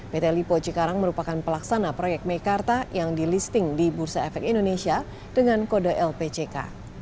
pt lipo cikarang merupakan pelaksana proyek meikarta yang di listing di bursa efek indonesia dengan kode lpck